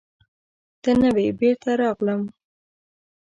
ته نه وې، بېرته راغلم.